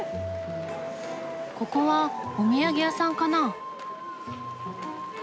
ここはお土産屋さんかな。